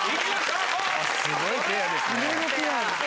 すごいペアですね。